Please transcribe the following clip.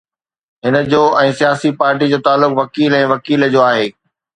هن جو ۽ سياسي پارٽيءَ جو تعلق وڪيل ۽ وڪيل جو آهي.